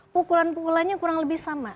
pukulan pukulannya kurang lebih sama